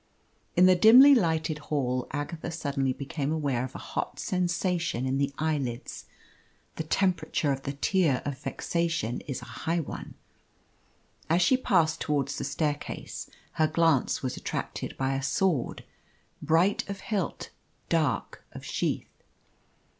In the dimly lighted hall Agatha suddenly became aware of a hot sensation in the eyelids. The temperature of the tear of vexation is a high one. As she passed towards the staircase, her glance was attracted by a sword, bright of hilt, dark of sheath.